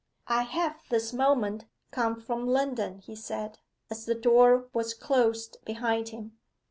'I have this moment come from London,' he said, as the door was closed behind him.